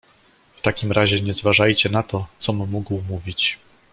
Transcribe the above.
"W takim razie nie zważajcie na to, com mógł mówić!"